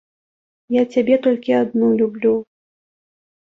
Я цябе толькі адну люблю.